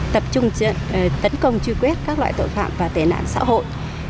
tập trung tấn công truy quét các loại tội phạm và tệ nạn xã hội